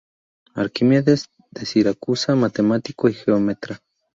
Arquímedes de Siracusa, matemático y geómetra.